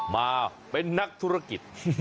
มาเป็นนักธุรกิจ